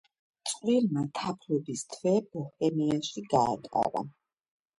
წყვილმა თაფლობის თვე ბოჰემიაში გაატარა.